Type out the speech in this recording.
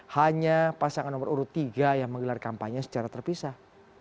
hanya pasangan nomor urut tiga yang menggelar kampanye secara terpisah